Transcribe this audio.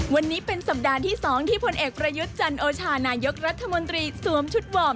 วันนี้เป็นสัปดาห์ที่๒ที่พลเอกประยุทธ์จันโอชานายกรัฐมนตรีสวมชุดวอร์ม